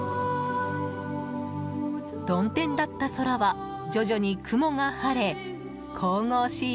曇天だった空は徐々に雲が晴れ神々しい